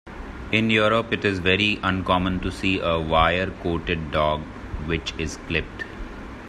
In Europe, it is very uncommon to see a wire-coated dog which is clipped.